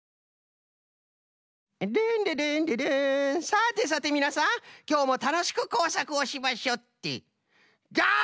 さてさてみなさんきょうもたのしくこうさくをしましょってどわ！